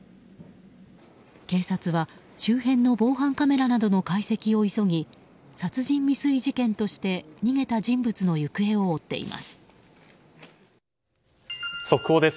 警察は周辺の防犯カメラなどの解析を急ぎ殺人未遂事件として逃げた人物の行方を追っています。